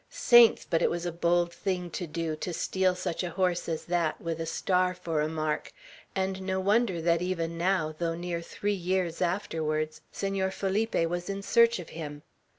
Saints! but it was a bold thing to do, to steal such a horse as that, with a star for a mark; and no wonder that even now, though near three years afterwards, Senor Felipe was in search of him.